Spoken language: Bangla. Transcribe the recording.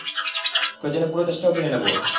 প্রয়োজনে পুরো দেশটাও কিনে নেব!